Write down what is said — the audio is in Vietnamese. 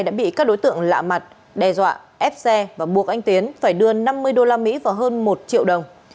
đã bị các đối tượng lạ mặt đe dọa ép xe và buộc anh tiến phải đưa năm mươi usd vào hơn một triệu đồng